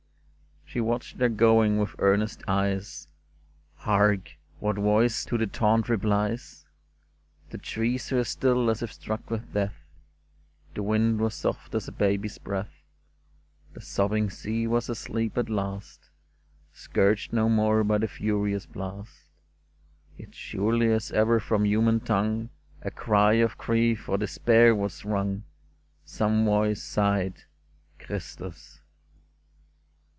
" She watched their going with earnest eyes : Hark ! what voice to the taunt replies ? The trees were still as if struck with death ; The wind was soft as a baby's breath ; The sobbing sea was asleep at last, Scourged no more by the furious blast ; Yet, surely as ever from human tongue A cry of grief or despair was wrung. Some voice sighed, " Christus